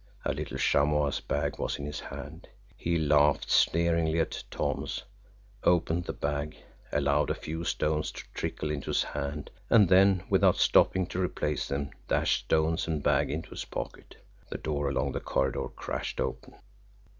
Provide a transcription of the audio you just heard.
A little chamois bag was in his hand. He laughed sneeringly at Thoms, opened the bag, allowed a few stones to trickle into his hand and then, without stopping to replace them, dashed stones and bag into his pocket. The door along the corridor crashed open.